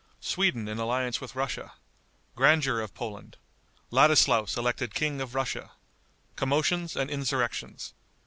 Sweden in Alliance with Russia. Grandeur of Poland. Ladislaus Elected King of Russia. Commotions and Insurrections.